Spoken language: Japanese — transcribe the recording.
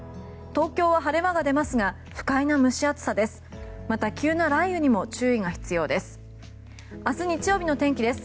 東京は晴れ間が出ますが不快な蒸し暑さです。